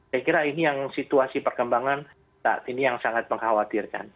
saya kira ini yang situasi perkembangan saat ini yang sangat mengkhawatirkan